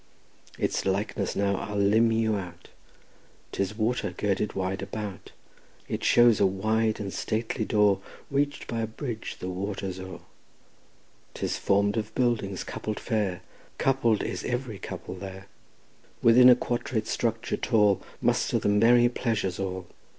Its likeness now I'll limn you out: 'Tis water girdled wide about; It shows a wide and stately door Reached by a bridge the water o'er; 'Tis form'd of buildings coupled fair, Coupled is every couple there; Within a quadrate structure tall Muster the merry pleasures all.